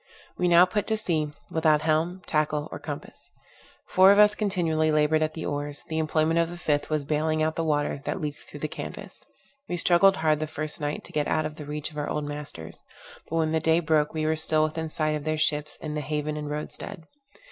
We now put to sea, without helm, tackle, or compass. Four of us continually labored at the oars; the employment of the fifth was baling out the water that leaked through the canvas. We struggled hard the first night to get out of the reach of our old masters; but when the day broke, we were still within sight of their ships in the haven and road stead.